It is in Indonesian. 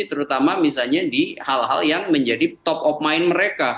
terutama misalnya di hal hal yang menjadi top of mind mereka